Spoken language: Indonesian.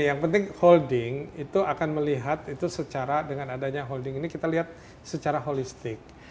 yang penting holding itu akan melihat itu secara dengan adanya holding ini kita lihat secara holistik